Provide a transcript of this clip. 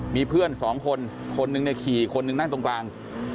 มีเพื่อนสองคนคนหนึ่งเนี่ยขี่คนหนึ่งนั่งตรงกลาง